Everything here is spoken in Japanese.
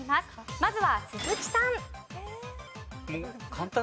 まずは鈴木さん。